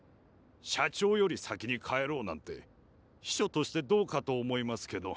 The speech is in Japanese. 社長より先に帰ろうなんて秘書としてどうかと思いますけど。